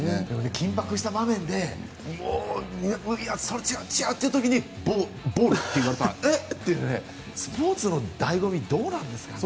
緊迫した場面でそれ、違う違う！って時にボールって言われたらえっって、スポーツの醍醐味どうなんですかね